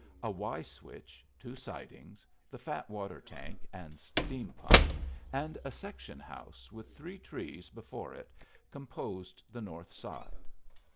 A Y switch, two sidings, the fat water tank and steam pump, and a section house with three trees before it composed the north side.